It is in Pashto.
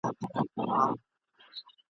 خدای مي دي ملګرو په دې لویه ګناه نه نیسي !.